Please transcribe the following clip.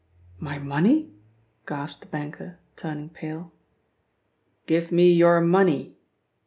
"My money?" gasped the banker, turning pale. "Give me your money."